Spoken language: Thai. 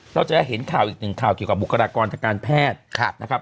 เราจะเห็นข่าวอีกหนึ่งข่าวเกี่ยวกับบุคลากรทางการแพทย์นะครับ